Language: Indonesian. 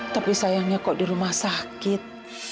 tapi sayangnya kok di rumah sakit